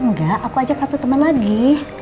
enggak aku ajak satu teman lagi